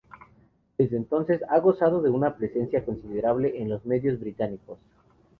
Desde entonces, ha gozado de una presencia considerable en los medios británicos.